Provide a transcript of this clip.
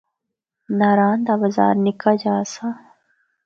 ناران دا بازار نِکا جا آسا۔